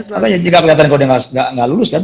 makanya jika keliatan kalo dia ga lulus kan